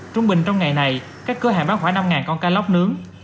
trung bình trong ngày này các cửa hàng bán khoảng năm con cá lóc nướng